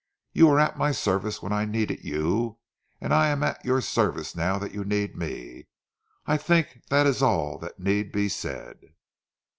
You were at my service when I needed you, and I am at your service now that you need me. I think that is all that need be said."